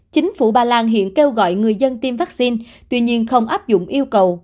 chính phủ ba lan hiện kêu gọi người dân tiêm vaccine tuy nhiên không áp dụng yêu cầu